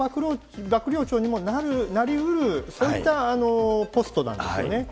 幕僚長にもなりうる、そういったポストなんですよね。